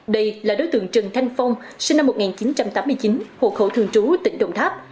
đây là đối tượng trần thanh phong sinh năm một nghìn chín trăm tám mươi chín hộ khẩu thường trú tỉnh đồng tháp